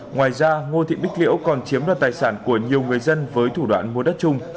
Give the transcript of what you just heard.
ngoài ra ngô thị bích liễu còn chiếm đoạt tài sản của nhiều người dân với thủ đoạn mua đất chung